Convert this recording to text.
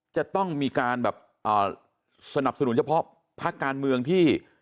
จะต้องมีการแบบสนับสนุนเฉพาะภาคการเมืองที่